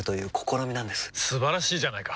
素晴らしいじゃないか！